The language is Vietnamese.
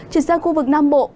chuyển sang khu vực nam bộ